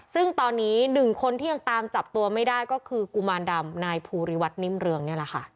ซึ่งตอนนี้หนึ่งคนที่ยังตามจับตัวไม่ได้ก็คือกุมารดำนายภูริวัตนิ่มเรืองนี่แหละค่ะ